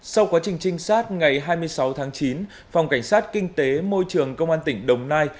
sau quá trình trinh sát ngày hai mươi sáu tháng chín phòng cảnh sát kinh tế môi trường công an tỉnh đồng nai